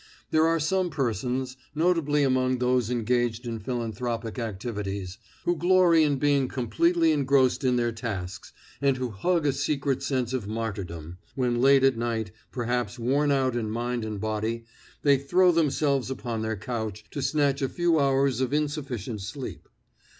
There are some persons, notably among those engaged in philanthropic activities, who glory in being completely engrossed in their tasks, and who hug a secret sense of martyrdom, when late at night, perhaps worn out in mind and body, they throw themselves upon their couch to snatch a few hours of insufficient sleep.